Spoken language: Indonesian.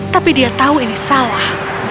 tapi dia tahu ini salah